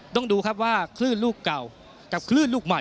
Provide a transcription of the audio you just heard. ต้องดูครับว่าคลื่นลูกเก่ากับคลื่นลูกใหม่